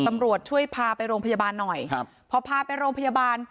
ตำรวจช่วยพาไปโรงพยาบาลหน่อยครับพอพาไปโรงพยาบาล